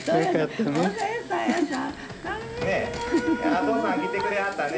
お父さん来てくれはったね。